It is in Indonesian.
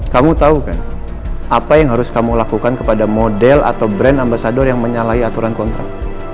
kamu tahu kan apa yang harus kamu lakukan kepada model atau brand ambasador yang menyalahi aturan kontrak